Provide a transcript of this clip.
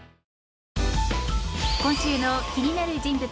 今週の気になる人物